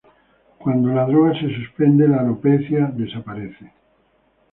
Cuando la droga se suspende, la alopecia desaparece.